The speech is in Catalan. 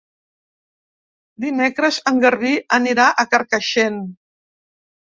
Dimecres en Garbí anirà a Carcaixent.